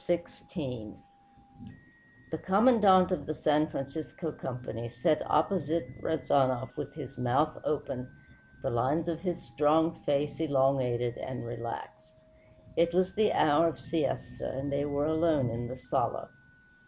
XVI The Commandante of the San Francisco Company sat opposite Rezanov with his mouth open, the lines of his strong face elongated and relaxed. It was the hour of siesta, and they were alone in the sala.